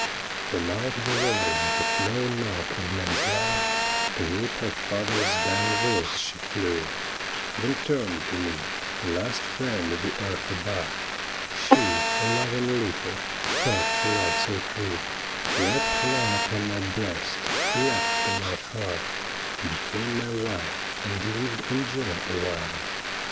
From out the walls that know not of men's love, To meet her father's dying voice she flew, Then turned to me — last friend the earth above — She, loving little, thought she loved so true, Wept long upon my breast, crept to my heart, Became my wife, and lived in joy a while.